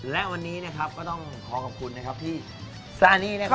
และวันนี้นะครับก็ต้องขอขอบคุณนะครับที่สถานีนะครับ